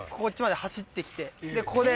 ここで。